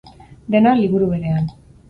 Dena, liburu berean.